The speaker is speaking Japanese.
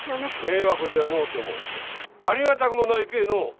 迷惑じゃのうてもありがたくもないけぇの。